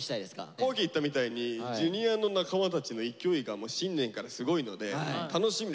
皇輝言ったみたいにＪｒ．の仲間たちの勢いが新年からすごいので楽しみです。